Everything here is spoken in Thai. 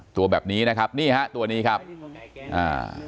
ตัวแบบนี้นะครับนี่ฮะตัวนี้ครับอ่า